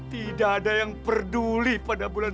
tidak ada yang peduli pada bulan